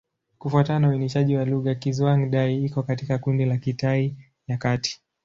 Kufuatana na uainishaji wa lugha, Kizhuang-Dai iko katika kundi la Kitai ya Kati.